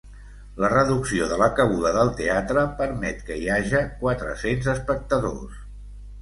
La reducció de la cabuda del teatre permet que hi haja quatre-cents espectadors.